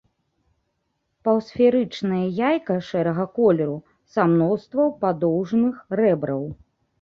Паўсферычнае яйка шэрага колеру са мноствам падоўжных рэбраў.